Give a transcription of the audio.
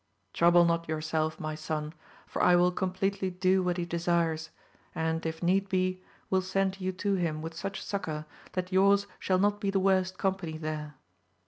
Trouble not yourself my son, for I will com pleatly do what he desires, and if need be, will send you to him with such succour, that your*s shall not be the worst company there.